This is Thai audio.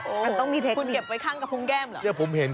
ก้านต้องมีเทคนิคข้างกระพุงแก้มเหรอ